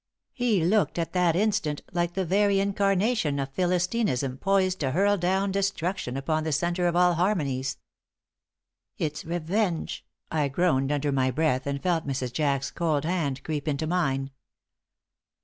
He looked at that instant like the very incarnation of Philistinism poised to hurl down destruction upon the center of all harmonies. "It's revenge," I groaned, under my breath, and felt Mrs. Jack's cold hand creep into mine.